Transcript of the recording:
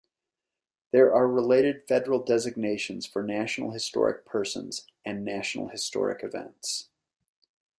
There are related federal designations for "National Historic Persons" and "National Historic Events".